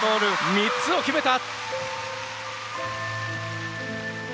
３つを決めた！